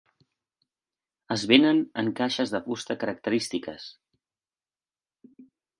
Es venen en caixes de fusta característiques.